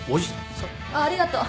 あっありがとう。